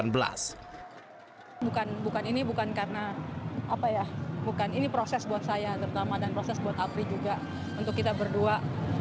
bukan ini bukan karena apa ya bukan ini proses buat saya terutama dan proses buat apri juga untuk kita berdua